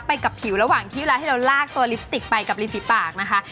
ไปกับผิวระหว่างที่เวลาที่เราลากตัวลิปสติกไปกับริมฝีปากนะคะ